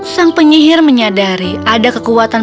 sang penyihir menyadari ada kekuatan